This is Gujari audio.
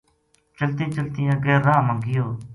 چلتیں چلتیں اَگے راہ ما گیو